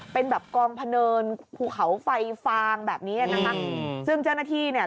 เป็นแบบกองพะเนินภูเขาไฟฟางแบบนี้อ่ะนะคะอืมซึ่งเจ้าหน้าที่เนี่ย